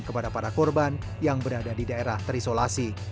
kepada para korban yang berada di daerah terisolasi